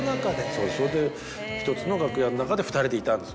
そうそれで１つの楽屋の中で２人でいたんです。